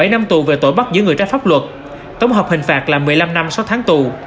bảy năm tù về tội bắt giữ người trái pháp luật tổng hợp hình phạt là một mươi năm năm sáu tháng tù